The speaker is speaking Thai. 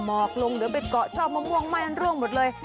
มอกลงหรือเบ็ดเกาะชอบมะม่วงมากนั้นร่วงหมดเลย